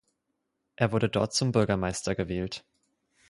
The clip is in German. Er wurde dort zum Bürgermeister gewählt.